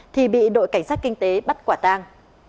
thì bị đội cảnh sát kinh tế bắt quả tang